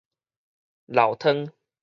流湯